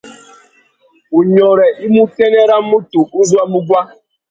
Wunyôrê i mú utênê râ mutu u zú a mú guá.